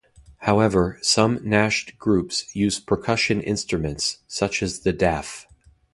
However, some nasheed groups use percussion instruments, such as the daff.